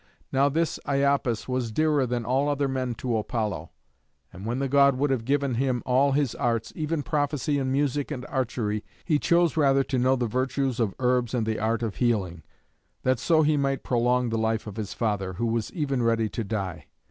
Now this Iapis was dearer than all other men to Apollo, and when the god would have given him all his arts, even prophecy and music and archery, he chose rather to know the virtues of herbs and the art of healing, that so he might prolong the life of his father, who was even ready to die.